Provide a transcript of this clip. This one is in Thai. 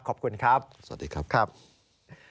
ขอบคุณครับสวัสดีครับครับสวัสดีครับ